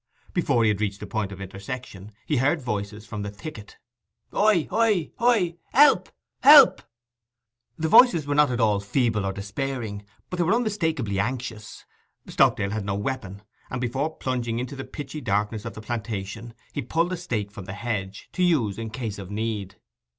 Before he had reached the point of intersection he heard voices from the thicket. 'Hoi hoi hoi! Help, help!' The voices were not at all feeble or despairing, but they were unmistakably anxious. Stockdale had no weapon, and before plunging into the pitchy darkness of the plantation he pulled a stake from the hedge, to use in case of need.